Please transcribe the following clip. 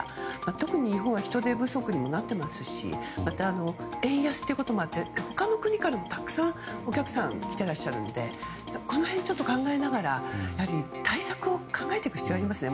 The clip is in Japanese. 特に日本は人手不足になっていますしまた、円安ということもあって他の国からもお客さんがたくさん来ていらっしゃるのでこの辺、ちょっと考えながらやはり対策を考えていく必要がありますね。